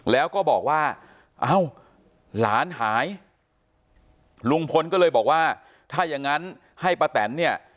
แล้วก็บอกว่าเอ้าหลานหายลุงพลก็เลยบอกว่าถ้าอย่างงั้นให้ป้าแตนเนี่ย